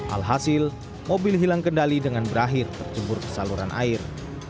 alhasil mobil hilang kendali dengan berakhir tercebur ke saluran air